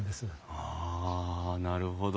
あなるほど。